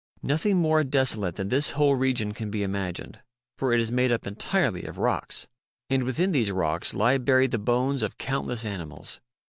Nothing more desolate than this whole region can be imagined, for it is made up entirely of rocks. And within these rocks lie buried the bones of countless animals.